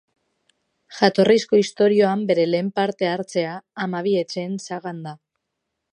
Jatorrizko istorioan bere lehen parte-hartzea Hamabi Etxeen sagan da.